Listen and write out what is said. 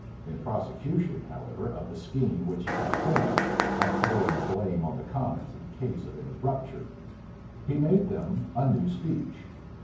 In prosecution, however, of the scheme which he had formed, of throwing the blame on the commons in case of any rupture, he made them a new speech.